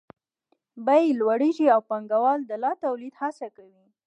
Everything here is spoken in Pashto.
بیې لوړېږي او پانګوال د لا تولید هڅه کوي